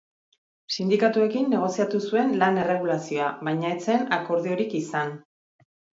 Sindikatuekin negoziatu zuen lan-erregulazioa, baina ez zen akordiorik izan.